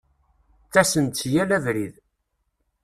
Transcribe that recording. Ttasen-d si yal abrid.